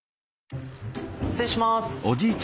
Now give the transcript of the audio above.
失礼します。